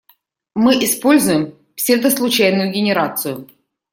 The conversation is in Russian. Мы используем псевдослучайную генерацию.